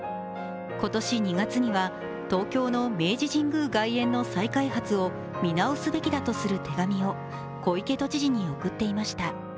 今年２月には東京の明治神宮外苑の再開発を見直すべきだとする手紙を小池都知事に送っていました。